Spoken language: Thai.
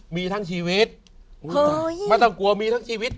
มีทั้งชีวิตไม่ต้องกลัวมีทั้งชีวิต